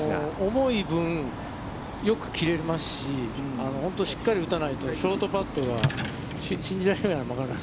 重い分、よく切れますし、本当しっかり打たないとショートパットが信じられないほど曲がらない。